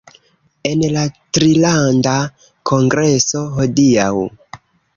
En la Trilanda Kongreso hodiaŭ